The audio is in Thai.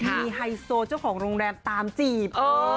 มีไฮโซเจ้าของโรงแรมตามจีบ